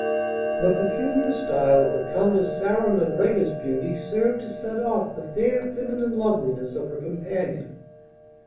The peculiar style of the Countess Sarah Macgregor's beauty served to set off the fair feminine loveliness of her companion.